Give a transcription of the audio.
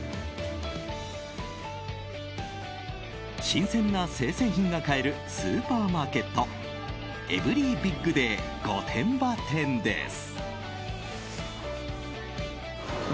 新鮮な生鮮品が買えるスーパーマーケットエブリィビッグデー御殿場店です。